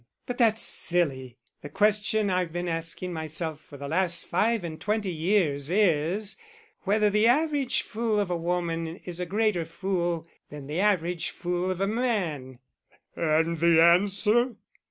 But that's silly! The question I've been asking myself for the last five and twenty years is, whether the average fool of a woman is a greater fool than the average fool of a man." "And the answer?"